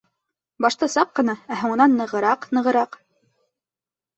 Башта саҡ ҡына, ә һуңынан нығыраҡ-нығыраҡ.